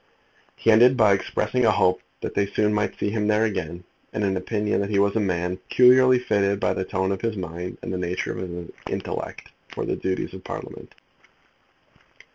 He ended by expressing a hope that they soon might see him there again, and an opinion that he was a man peculiarly fitted by the tone of his mind, and the nature of his intellect, for the duties of Parliament.